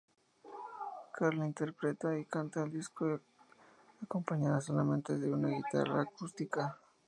Carla interpreta y canta el disco acompañada solamente de una guitarra acústica.